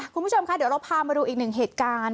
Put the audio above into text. คุณผู้ชมค่ะเดี๋ยวเราพามาดูอีกหนึ่งเหตุการณ์